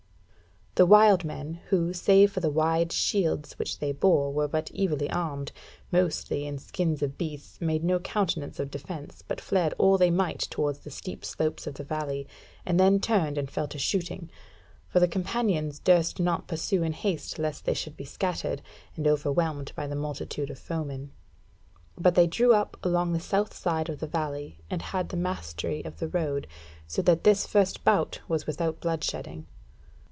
The wild men, who, save for wide shields which they bore, were but evilly armed, mostly in skins of beasts, made no countenance of defence, but fled all they might towards the steep slopes of the valley, and then turned and fell to shooting; for the companions durst not pursue in haste lest they should be scattered, and overwhelmed by the multitude of foemen; but they drew up along the south side of the valley, and had the mastery of the road, so that this first bout was without blood shedding.